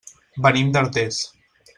Venim d'Artés.